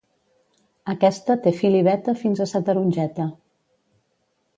Aquesta té fil i veta fins a sa tarongeta